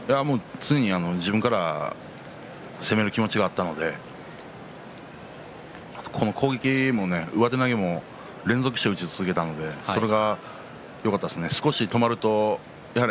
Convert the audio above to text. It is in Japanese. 常に自分から攻める気持ちがあったのでこの攻撃も上手投げも連続して打ち続けたのでそれがよかったですね。